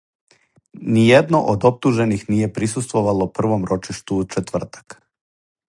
Ниједно од оптужених није присуствовало првом рочишту у четвртак.